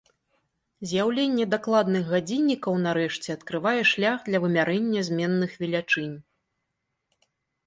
З'яўленне дакладных гадзіннікаў нарэшце адкрывае шлях для вымярэння зменных велічынь.